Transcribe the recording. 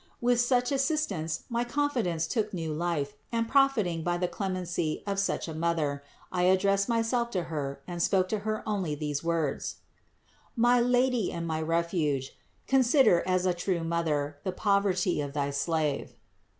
With such assistance my confidence took new life and profiting by the clemency of such a Mother, I addressed myself to Her and spoke to Her only 18 INTRODUCTION these words : "My Lady and my Refuge, consider, as a true Mother, the poverty of thy slave."